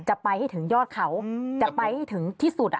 จะไปให้ถึงยอดเขาจะไปให้ถึงที่สุด